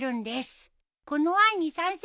この案に賛成の人。